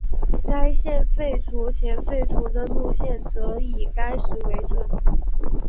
该线废除前废除的路线则以该时为准。